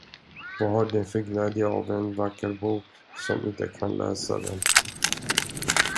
Vad har den för glädje av en vacker bok, som inte kan läsa den.